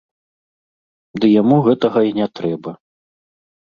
Ды яму гэтага й не трэба.